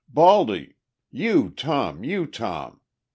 Baldy! You Tom, you Tom!